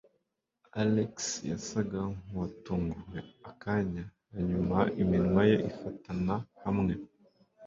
Alex yasaga nkuwatunguwe akanya hanyuma iminwa ye ifatana hamwe.